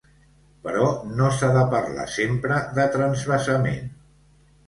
Però no s’ha de parlar sempre de transvasament.